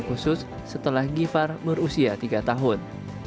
khusus setelah givhar berusia tiga tahun